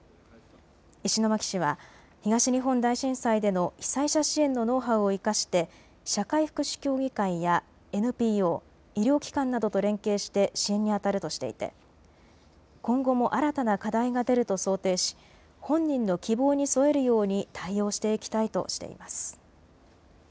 石巻市は東日本大震災での被災者支援のノウハウを生かして社会福祉協議会やＮＰＯ、医療機関などと連携して支援にあたるとしていて今後も新たな課題が出ると想定し本人の希望に添えるように対応していきたいとしています。